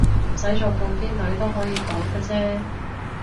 唔使做半邊女都可以講嘅啫